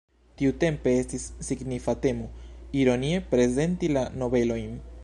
Tiutempe estis signifa temo ironie prezenti la nobelojn.